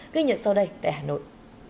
ghi nhận sau đây tại hà nội